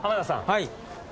はい。